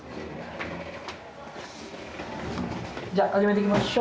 ・じゃ始めていきましょう。